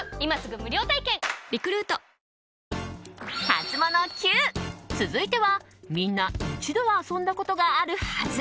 ハツモノＱ、続いてはみんな一度は遊んだことがあるはず。